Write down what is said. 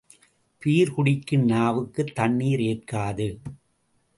Beer குடிக்கும் நாவுக்குத் தண்ணீர் ஏற்காது.